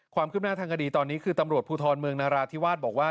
ความคืบหน้าทางคดีตอนนี้คือตำรวจภูทรเมืองนราธิวาสบอกว่า